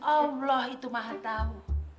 allah itu maha tahu